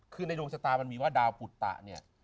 คือในดวงชะตามันมีว่าดาวปุตตะเนี่ย